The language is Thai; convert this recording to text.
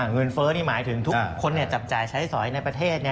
เฟ้อนี่หมายถึงทุกคนจับจ่ายใช้สอยในประเทศ